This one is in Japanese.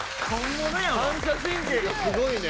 反射神経がすごいね。